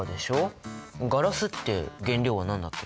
ガラスって原料は何だっけ？